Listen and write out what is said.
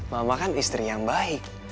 mama kan istri yang baik